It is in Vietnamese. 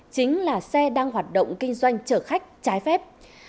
chính là xe đang hoạt động kinh doanh chở khách trái phép